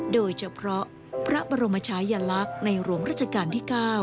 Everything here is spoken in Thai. โดยเฉพาะพระบรมชายลักษณ์ในหลวงราชการที่๙